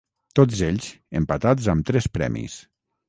Tots ells empatats amb tres premis.